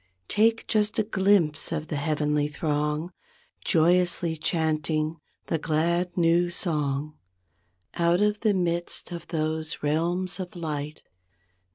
Take just a glimpse of the heavenly throng Joyously chanting the glad, new song. Out of the midst of those realms of light.